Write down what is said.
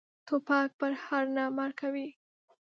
توپک پرهر نه، مرګ کوي.